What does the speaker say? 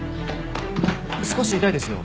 少し痛いですよ。